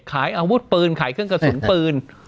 ขายอาวุธปืนขายเครื่องกระสุนปืน